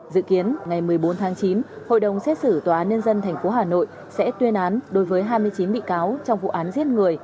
dự kiến ngày một mươi bốn tháng chín hội đồng xét xử tòa án nhân dân tp hà nội sẽ tuyên án đối với hai mươi chín bị cáo trong vụ án giết người